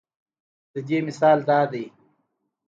د دې مثال دا دے